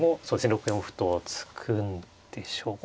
６四歩と突くんでしょうこれね。